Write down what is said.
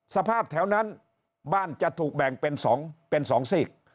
สภาพแถวนั้นบ้านจะถูกแบ่งเป็นสองสิก